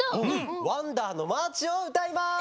「ワンダーのマーチ」をうたいます！